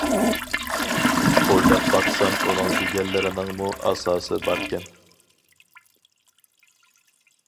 ئويلاپ باقسام ئۇنىڭ دېگەنلىرىنىڭمۇ ئاساسى باركەن.